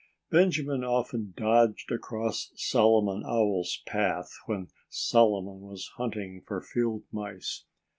Benjamin often dodged across Solomon Owl's path, when Solomon was hunting for field mice.